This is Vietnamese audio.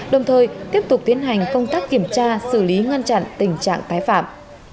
đồng thời tiếp tục tiến hành công tác kiểm tra xử lý ngăn chặn tình trạng tái phạm